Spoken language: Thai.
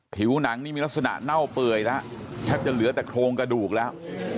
ผิวหนังนี่มีลักษณะเน่าเปื่อยแล้วแทบจะเหลือแต่โครงกระดูกแล้ว